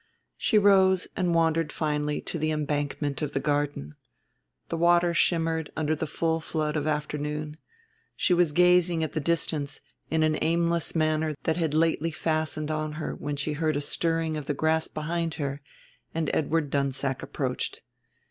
She rose and wandered finally to the embankment of the garden. The water shimmered under the full flood of afternoon; she was gazing at the distance in an aimless manner that had lately fastened on her when she heard a stirring of the grass behind her and Edward Dunsack approached.